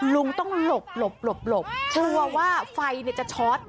ลุงต้องหลบความว่าไฟจะช้อต